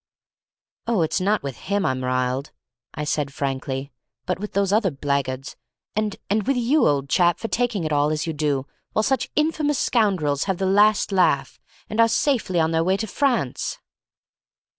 "Oh, it's not with him I'm riled," I said frankly, "but with those other blackguards, and—and with you, old chap, for taking it all as you do, while such infamous scoundrels have the last laugh, and are safely on their way to France!"